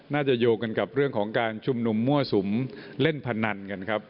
โยงกันกับเรื่องของการชุมนุมมั่วสุมเล่นพนันกันครับ